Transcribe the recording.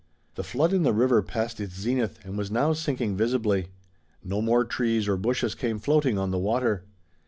The flood in the river passed its zenith and was now sinking visibly. No more trees or bushes came floating on the water.